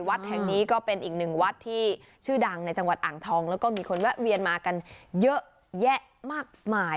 วัดแห่งนี้ก็เป็นอีกหนึ่งวัดที่ชื่อดังในจังหวัดอ่างทองแล้วก็มีคนแวะเวียนมากันเยอะแยะมากมาย